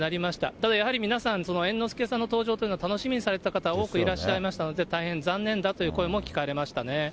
ただやはり皆さん、猿之助さんの登場というのを楽しみにされていた方、多くいらっしゃいましたので、大変残念だという声も聞かれましたね。